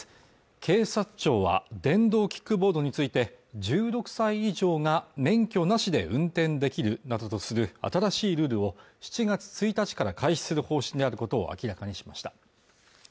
警察庁は電動キックボードについて１６歳以上が免許なしで運転できるなどとする新しいルールを７月１日から開始する方針であることを明らかにしました